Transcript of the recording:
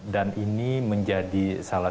dan ini menjadi salah satu kesalahan